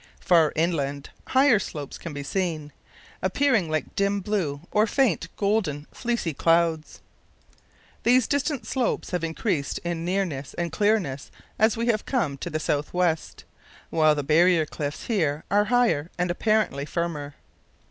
Far inland higher slopes can be seen, appearing like dim blue or faint golden fleecy clouds. These distant slopes have increased in nearness and clearness as we have come to the south west, while the barrier cliffs here are higher and apparently firmer.